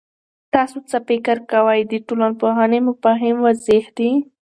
تاسو څه فکر کوئ، د ټولنپوهنې مفاهیم واضح دي؟